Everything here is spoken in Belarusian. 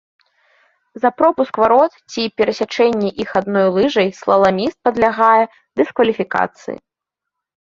За пропуск варот ці перасячэнне іх адной лыжай слаламіст падлягае дыскваліфікацыі.